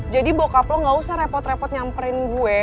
jadi bokap lo gak usah repot repot nyamperin gue